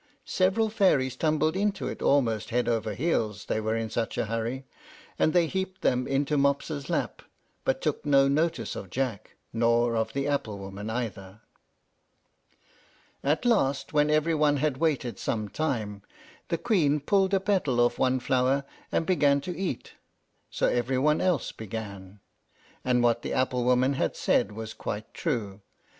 Several fairies tumbled into it almost head over heels, they were in such a hurry, and they heaped them into Mopsa's lap, but took no notice of Jack, nor of the apple woman either. At last, when every one had waited some time, the Queen pulled a petal off one flower, and began to eat, so every one else began; and what the apple woman had said was quite true.